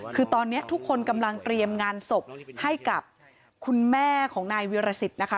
คือตอนนี้ทุกคนกำลังเตรียมงานศพให้กับคุณแม่ของนายวิรสิตนะคะ